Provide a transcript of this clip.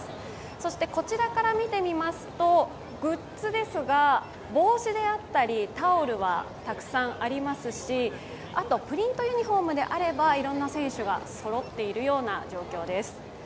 そして、こちらから見てみますと、グッズですが、帽子であったりタオルはたくさんありますしプリントユニフォームであればいろんな選手がそろっているような状況です。